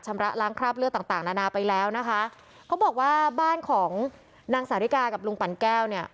ระล้างคราบเลือดต่างต่างนานาไปแล้วนะคะเขาบอกว่าบ้านของนางสาธิกากับลุงปั่นแก้วเนี่ย